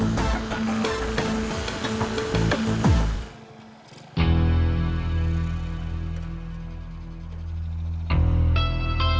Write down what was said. untuk yang ketentu atau tak catos akan diberikan ke pengacara